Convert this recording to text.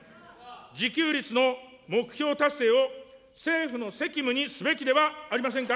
自給率の目標達成を政府の責務にすべきではありませんか。